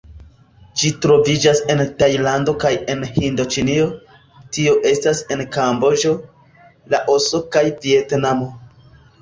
Ĝi troviĝas en Tajlando kaj en Hindoĉinio, tio estas en Kamboĝo, Laoso kaj Vjetnamo.